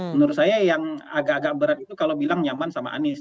menurut saya yang agak agak berat itu kalau bilang nyaman sama anies